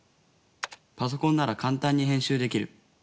パソコンならかんたんに編集できる。